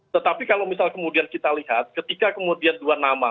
tetapi kalau misal kemudian kita lihat ketika kemudian dua nama